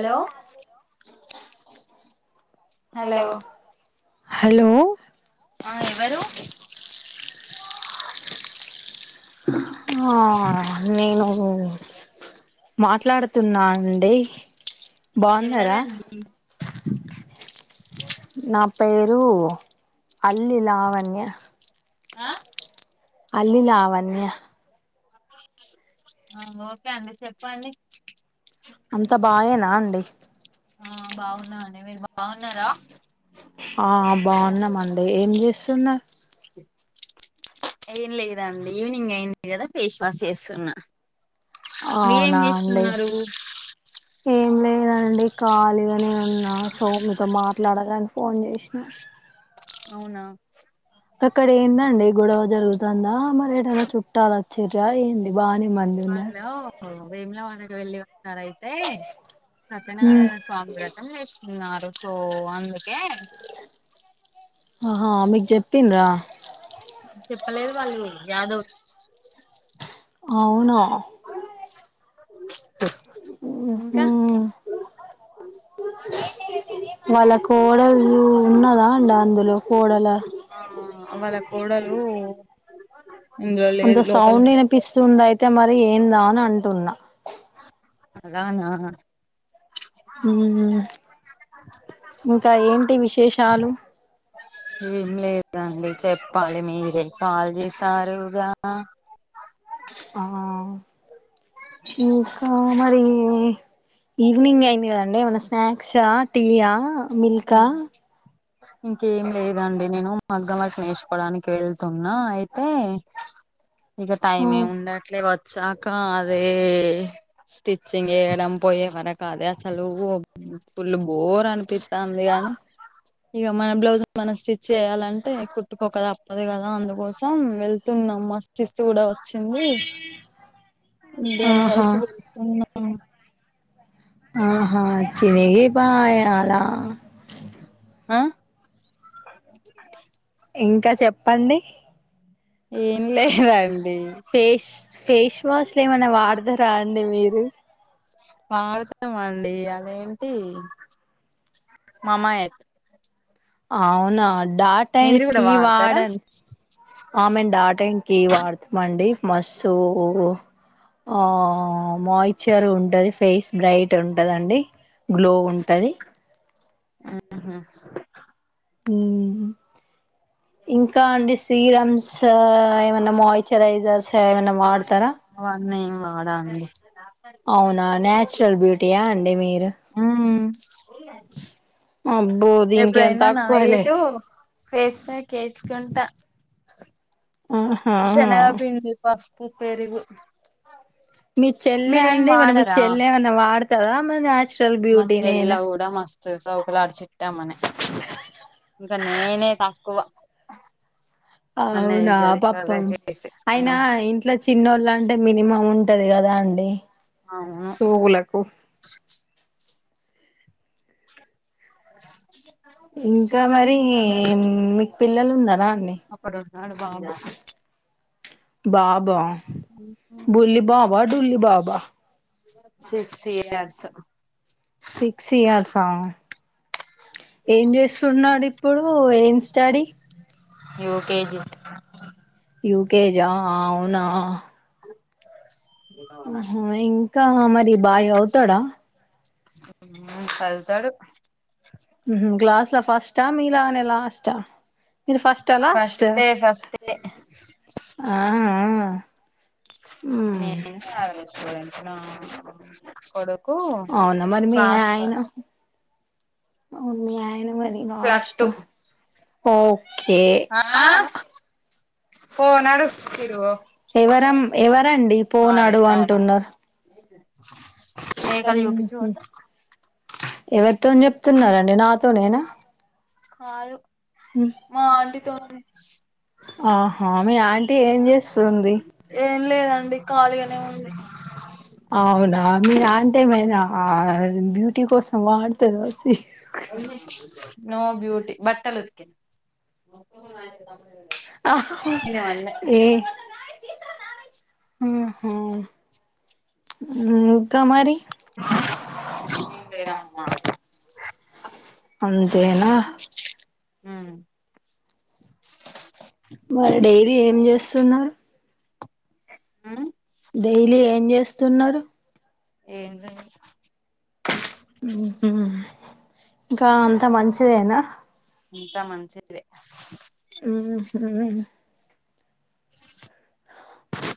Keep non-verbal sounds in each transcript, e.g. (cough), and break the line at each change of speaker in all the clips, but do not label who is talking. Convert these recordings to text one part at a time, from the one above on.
Hello
hello hello ఆ ఎవరు ఆ నేను మాట్లాడుతున్నా అండి బాగున్నార
ఎవరండి
నా పేరు అల్లి లావణ్య ఆ అల్లి లావణ్య
ఒకే అండి చెప్పండి
అంత బాగె నా అండి
బాగున్నర
ఆ బాగున్నామండి. ఏం చేస్త టుంన్నా
ఏం లేదండి. ఈవినింగ్ అయింది కద ఫేస్ వాష్ చేస్తున్న
అవునా అండి‌ ఏం లేదండి ఖాళీగనే ఉన్నా సో మీతో మాట్లాడాలని ఫోన్ చేసిన.
అవునా.
అక్కడ ఏందండి. గొడవ జరుగుతుందా. మరి ఏదైనా చుట్టాలు వచ్చిరా. ఏంది బాగానే మంది ఉన్నారు.
వేములవాడకు వెళ్లి. ఒకసారి అయితే సత్యనారాయణ స్వామి వ్రతం. తిన్నారు. సో అందుకే
ఆహా మీకు చెప్పిండ్ర
చెప్పలేదు. వాళ్ళు యాదో
అవునా.
(inaudible) ఇంకా
హమ్ వాళ్ళ కోడలు ఉన్నద అ అందులో కోడల
ఆ వాళ్ళ కోడలు ఇందులో
అంత
లేదు లోపల
సౌండ్ వినిపిస్తుందయి తే మరి ఏందా అని అంటున్నా.
అలానా
ఉం ఇంకా ఏంటి విశేషాలు.
రండి చెప్పాలి. మీరే కాల్ చేశారుగా.
ఆ ఇంకా. మరి ఈవినింగ్ అయింది కదండి ఏమనా స్నాక్సా టీయా మిల్కా
ఇంకేం లేదండి నేను మగ్గం వర్క్ నేర్చుకోవడానికి వెళ్తున్నా అయితే ఇక
ఓ
టైం ఏ ఉండట్లే వ చాకా అదే తెిచ్చింగేయడం వర కాదేసలు ఫుల్ బోర్ అ పితాందిగాని ఇక మన బ్లౌజ్ మనం స్టిచ్ చేయ్యాలంటే కుట్టుకోక తప్పదు కదా అందుకోసం వెళ్తున్న మా సిస్ కూడా వచ్చింది ఇడి
ఆహా
(unintelligible)
ఆహా చిని పయాల
ఆ (inaudible)
ఇంకా చెప్పండి
ఏం లేదండి
ఫేస్ ఫేస్ వాష్ లో ఏమనా వాడదారా అండి మీరు
వాడుతాం అండి అదేంటి మామాయత్
అవునా డాటైన కీ
వాడతారా
వాడం ఆమెను డాటం కీ వాడుతామండి మస్తు ఆ మాయిచర్ ఉంటది ఫేస్ బ్రైట్ ఉంటదండి గ్లో ఉంటది
(inaudible) ఉం
మ్మ్ ఇంకా అండి సీరమ్స్ ఏమన్నా మాయిశ్చరైజర్స్ ఏమన్నా వాతారా
నేం వాడాండి
అవునా న్యాచురల్ బ్యూటీయా అండి అ మీరు
ఉం
అబ్బో దీనికి ఏం
ఎప్పుడైనా నా
తక్కువలే
ఇటు ఫేస్ ప్యాక్ ఏసుకుంటా
ఆహా
శనగా పిండి పసు పు పెరుగు
మీ చెల్లె
మీరేం
అండి మరి మీ
వాడరా
చెల్లె ఏమన్నా వాడుతదా మరి నచురల్ బ్యూటీ నేనా
చే సౌకులాడి చిట్టెమ్మ నే ఇంక నేనే తక్కువ నన్నే
అవునా
తిడతది అవే
పాపం అయినా
చేసేసుకున్నాం
ఇంట్లో చిన్నోళ్ళ అంటే మినిమం ఉంటది కదా అండి
అవును
పూగులకు
(inaudible)
ఇంకా మరి ఏం మీకు పిల్లలు ఉన్నారా అండి
అప్పుడున్నాడు బాగున్నా బాబా
బుల్లి బాబా డుల్లి బాబా
(inaudible)
సిక్స్ ఇయర్స్ ఆ. ఏం చేస్తున్నాడు ఇప్పుడు, ఏం స్టడీ.
యుకేజి
యూకేజా అవునా ఆహ ఇంకా మరి బాయావుతాడా
హ్మ్ సదుతాడు
హు హుమ్! క్లాస్ ల ఫస్టా మీలాగనే లాస్టా మీరు ఫస్టా లాస్టా
ఫస్ట్ ఫస్ట్
ఆ ఆ హ్మ్
నేను సదుకోన్ నా కోడు
అవునా మరి మీ ఆయన అవును మీ ఆయన మరి లాస్ట్
ఫ్లట్టు
ఒకే
ఆ ఫోన్
పోనాడు
అడుగు తిరుగు
ఎవరం ఎవరండి
ఆడే
పోనాడు
అవును
అంటున్నార్ హు
మేకలు చూపించు
హూమ్
పోతే
ఎవరితో చెప్తున్నరండి నాతోనేనా
కాలు
హ్మ్
మా ఆంటీతోని
ఆహా మీ ఆంటీ ఏం చేస్తుంది?
ఏం లేదండి కాలిగానే ఉంది
అవునా మీ అంటి ఏమైనా బ్యూటీ కోసం వాడుతద సి
వదిలేసి చూద్దాం నో బ్యూటీ బట్టలు ఉతుకి
ఆ హా
ఈయన వల్లే
ఏ హు హు
లేరంట నా
అంతేనా
హుమ్
మరి డైరీ ఏం చేస్తున్నారు
ఉమ్
డైలీ ఏం చేస్తున్నారు
ఏంజెయ్
ఇంకా అంత మంచిదేనా
అంతా మంచిదే
మ్ మ్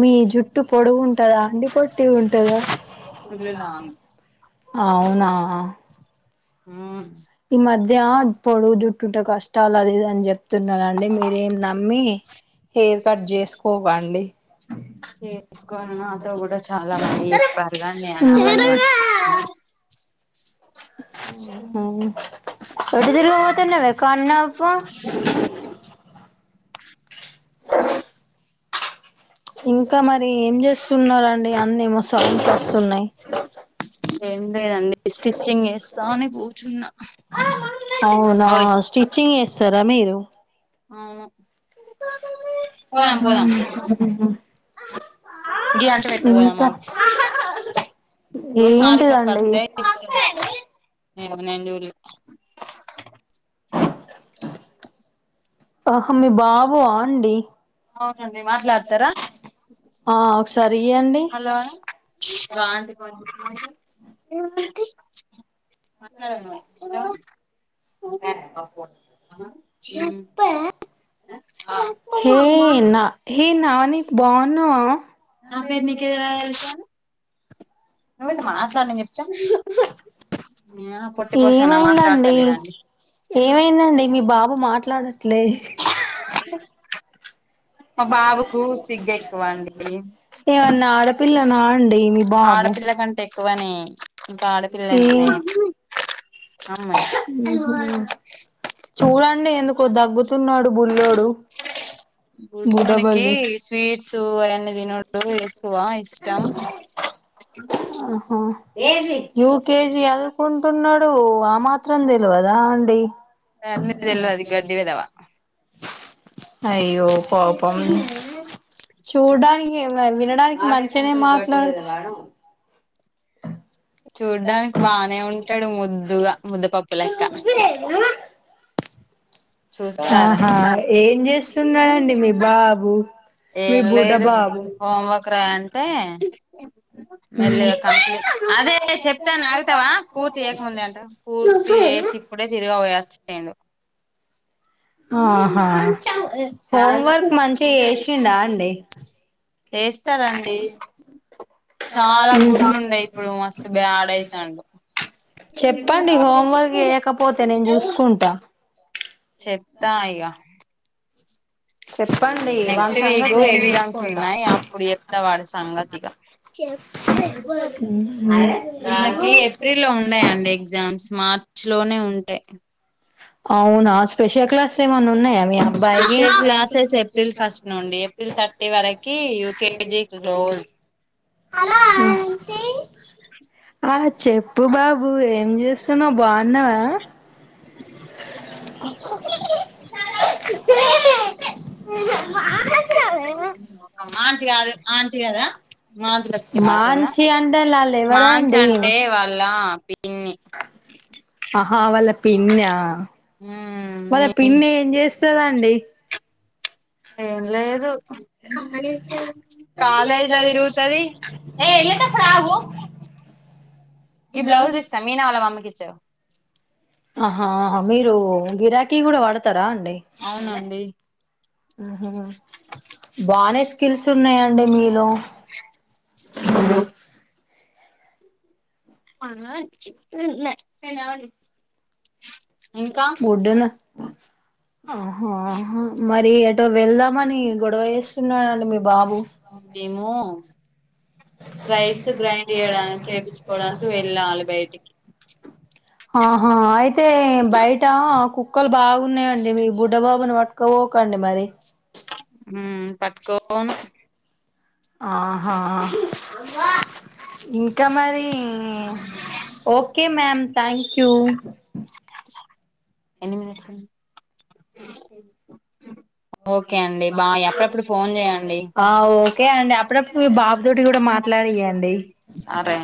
మీ జుట్టు పొడుగుంటదా అండి పొట్టిగుంటదా
ఇల్లు లాగం
అవునా
ఆ
ఈ మధ్య పొడుగు జుట్టుంటె కష్టాల్ అది ఇది అని చెప్పి చెప్తున్నానండి మీరేం నమ్మి హెయిర్ కట్ జేసుకోకండి
తీసుకొని నాతో కూడా చాలా మంది చెప్పారు కానీ నేను అవన (unintelligible)
ఒటి దిరిగి పోతున్నవే కన్నాప్ప ఇంకా మరి ఏం చేస్తున్నారండి అని ఏమో సౌండ్స్ ఓస్తూ స్తున్నయ్
ఏం లేదండి స్టిచ్చింగ్ చేస్తా అని కూర్చున్నా
అవునా
ఓయ్
స్టిచ్చింగ్ చేస్తారా మీరు
అవును పోదాం పోదాం ఇడ్లీ అంటా పెట్టి పోదాం
ఇంకా
ఆగు ఇగొ
ఏంటిదండి
సారికక్కతె ఏమో నేన్ చూడ్లే
ఆహా మీ బాబు ఆ అండి
అవునండి మాట్లాడతారా
ఆ ఒకసారి ఇయ్యండి
హాల్లో ఇగో ఆంటీ ఏం ఆంటీ మాట్లాడూ ఇంకా (unintelligible) (unintelligible)
హె నా హె నాని బావునవా
నా పేరున్నికెలా తెలుసు నువైతె మాట్లాడు నేన్ చెప్తా పొట్టి పోసాన్న
ఏమైందండి
మాట్లాడతలేదండి
ఏమైందండి మీ బాబు మాట్లాడట్లే
మా బాబుకు సిగెక్కువండి
ఏమన్నా ఆడపిల్లనా అండి మీ బాబు ఏ
ఆడపిల్లండి నేను అమాయి
చూడండి ఎందుకో దగ్గుతున్నాడు బుల్లోడు
బుడోనికి
బుడబల్లి
స్వీట్సు అన్న తినుడు ఎక్కువా ఇష్టం
ఆహ యూకేజి చదువుకుంటున్నాడు డు ఆ మాత్రం తెలవదా అండి
అన్నీ తెల్వది గడ్డి వెధవ
అయ్యో పాపం చూడడానికి వినడానికి మంచిగనే మాట్లాడ
చూడ్డానికి బానే ఉంటాడు ముద్దుగా ముద్ద్దపప్పు లెక్క చూస్తారా
ఆహా ఏం చేస్తున్నాడండి మీ బాబు మీ
ఏం
బుడ్డ
లేదు
బాబు
హోంవర్క్ రాయి అంటే మెల్లగా కంప్లీట్ అదే చెప్తాను నాగుతావా పూర్తి చేయకముంద అంట పూర్తి చేసి ఇప్పుడే తిరిగి పోయచినుడు
ఆహా హోమ్వర్క్ మంచిగా చేసిండ అండి
చేస్తాడండి చాలా గుడ్డు ఉండే ఇప్పుడు మస్తు బ్యాడ్ అయితాండు
చెప్పండి హోంవర్క్ చేయకపోతే నేను చూసుకుంటా
చెప్తా ఇగ
చెప్పండి
నెక్స్ట్
వాని
వీక్
సంగతి నేను
ఎగ్జామ్స్
చూసుకుంటా
ఉన్నాయి అప్పుడు చెప్తావాడి సంగతిగా వీళ్ళకి ఏప్రిల్ లో ఉన్నాయండి ఎగ్జామ్స్ మార్చ్ లోనే ఉంటాయి
అవునా స్పెషల్ క్లాస్ ఏమనా ఉన్నాయా మీ అబ్బాయికి
స్పెషల్ క్లాసెస్ ఏప్రిల్ ఫస్ట్ నుండి ఏప్రిల్ థర్టీ వరకి యూకేజీ క్లోజ్
ఆ చెప్పు బాబు ఏం చేస్తున్నావు బాగున్నావా
నీ మొఖం మాంచ్ కాదు ఆంటీ కదా మాంచ్ లెక్క ఇన వాడతాందా
మాంచి అంటే వాళ్ళు
మాంచ్ అంటే వాళ్ళ పి
ఆహావల పిన్న ఆ వల్ల
ఉమ్
పిన్ని ఏం చేస్తాద అండి
ఏం లేదు కాలేజ్ల తిరుగుతది ఏ ఎలేత పొడ ఆగు ఇ బ్లౌస్ ఇస్తా మీనా వాల్ల మమ్మీకి చెవు
ఆహా ఆహా మీరు గిరాకీ కూడా వాడతారా అండి
అవునండి
బానే స్కిల్స్ ఉన్నాయండి మీలో
పన చి నే నేవని ఇంకా
ఆహో అహో మరి ఏటో వెళ్దామని గొడవ వేస్తున్నానండి మీ బాబు
మేము
రైస్ గ్రాండ్
గ్రైండ్
చేయడానికి చెప్పించుకోవడా
చేపించుకోవడానికి
నికి వెళ్దాం
వెళ్ళాలి
అని
బయటికి
ఆహా అయితే బయట కుక్కలు బాగున్నాయండి మీ బుడ్డబాబు ను వట్క ఓ కండి మరి
పట్కవోను
ఆహా ఇంకా మరి okay ma'am thank you
ఎన్ని మినిట్స్ అండి
ఓకే అండి అప్పుడప్పుడు ఫోన్ చేయండి ఆ ఒకే అ మాట్లాడియండి
సరే